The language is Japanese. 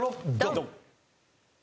ドン！